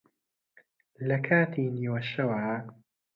لە کاتی نیوەشەوا